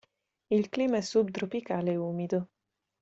Il clima è subtropicale umido.